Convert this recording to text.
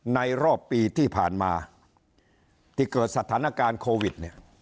ในรอบปีที่ผ่านมาที่เกิดสถานการณ์โควิดเนี่ย